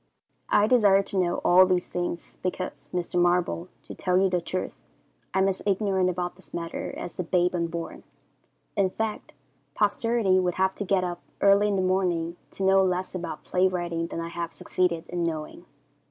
I desire to know all these things, because, Mr. Marble, to tell you the truth, I am as ignorant about this matter as the babe unborn. In fact, posterity would have to get up early in the morning to know less about play writing than I have succeeded in knowing.